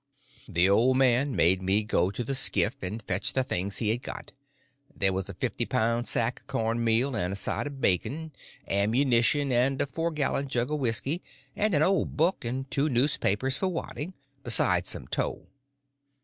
The old man made me go to the skiff and fetch the things he had got. There was a fifty pound sack of corn meal, and a side of bacon, ammunition, and a four gallon jug of whisky, and an old book and two newspapers for wadding, besides some tow.